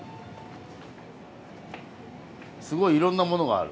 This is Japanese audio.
すごいいろんなものがある。